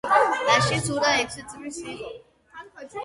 მაშინ ზურა ექვსი წლის იყო.